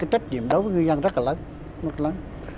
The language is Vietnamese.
trách nhiệm đối với ngư dân rất là lớn